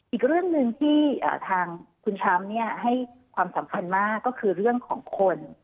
อีกเรื่องหนึ่งที่ทางคุณทรัมป์ให้ความสำคัญมากก็คือเรื่องของคน